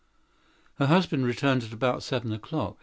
Her husband returned about seven o'clock.